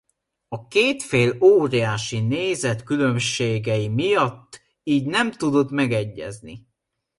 A két fél óriási nézetkülönbségei miatt így nem tudott megegyezni.